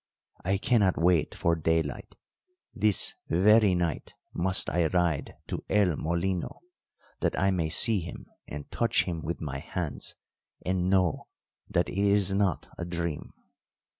I cannot wait for daylight this very night must I ride to El Molino, that I may see him and touch him with my hands, and know that it is not a dream."